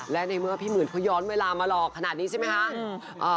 และในเมื่อพี่หมื่นเขาย้อนเวลามาหลอกขนาดนี้ใช่ไหมคะ